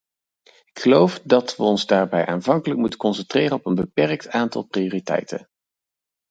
Ik geloof dat we ons daarbij aanvankelijk moeten concentreren op een beperkt aantal prioriteiten.